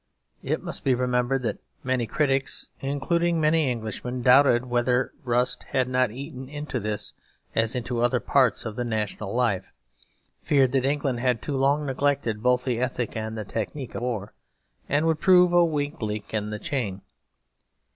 It must be remembered that many critics, including many Englishmen, doubted whether a rust had not eaten into this as into other parts of the national life, feared that England had too long neglected both the ethic and the technique of war, and would prove a weak link in the chain.